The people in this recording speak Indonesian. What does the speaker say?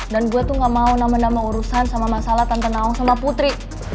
dan gue tuh engga mau nama nama urusan sama masalah tante naong sama putri